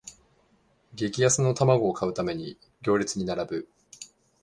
激安の玉子を買うために行列に並ぶ